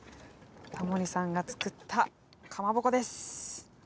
タモリさんが作ったかまぼこです。